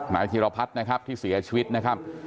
นายธีรพัฒน์นะครับที่เสียชีวิตนะครับ